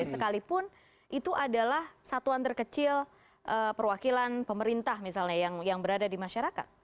sekalipun itu adalah satuan terkecil perwakilan pemerintah misalnya yang berada di masyarakat